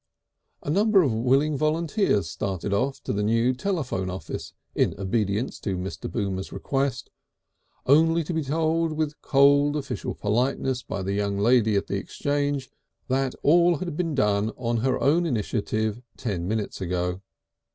A number of willing volunteers started off to the new telephone office in obedience to Mr. Boomer's request, only to be told with cold official politeness by the young lady at the exchange that all that had been done on her own initiative ten minutes ago.